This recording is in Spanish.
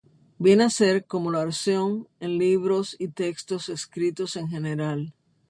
Viene a ser como la oración en libros y textos escritos en general.